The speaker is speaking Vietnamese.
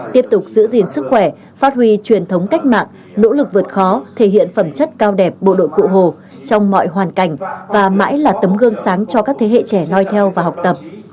tiếp tục giữ gìn sức khỏe phát huy truyền thống cách mạng nỗ lực vượt khó thể hiện phẩm chất cao đẹp bộ đội cụ hồ trong mọi hoàn cảnh và mãi là tấm gương sáng cho các thế hệ trẻ nói theo và học tập